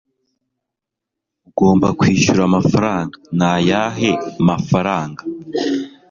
"Ugomba kwishyura amafaranga." "Ni ayahe mafaranga?"